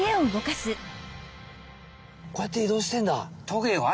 こうやっていどうしてんだ。